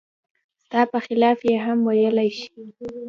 ستا په خلاف یې هم ویلای شي.